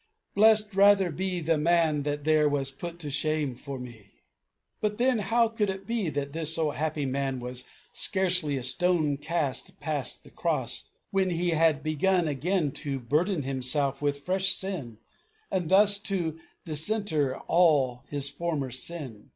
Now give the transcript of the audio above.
Blest rather be The Man that there was put to shame for me." But, then, how it could be that this so happy man was scarcely a stone cast past the cross when he had begun again to burden himself with fresh sin, and thus to disinter all his former sin?